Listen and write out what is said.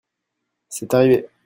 c'est arrivé.